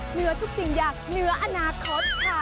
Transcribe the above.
เหนือทุกสิ่งอย่างเหนืออนาคตค่ะ